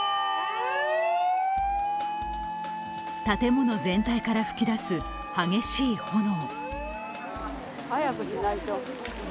建物全体から噴き出す激しい炎。